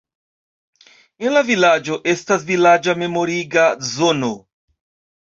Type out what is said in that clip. En la vilaĝo estas vilaĝa memoriga zono.